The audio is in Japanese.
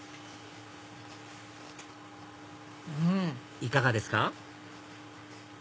いかがですか？